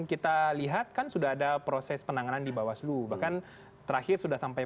kita lihat kan sudah ada proses penanganan di bawaslu bahkan terakhir sudah sampai